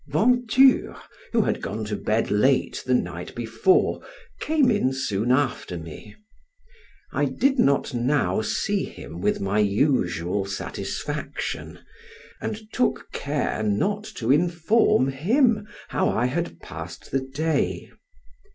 Venture, who had gone to bed late the night before, came in soon after me. I did not now see him with my usual satisfaction, and took care not to inform him how I had passed the day.